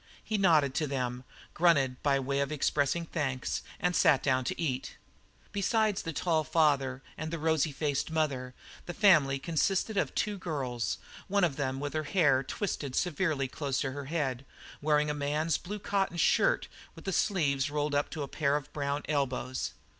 He nodded to them, grunted by way of expressing thanks, and sat down to eat. Beside the tall father and the rosy faced mother, the family consisted of the two girls, one of them with her hair twisted severely close to her head, wearing a man's blue cotton shirt with the sleeves rolled up to a pair of brown elbows.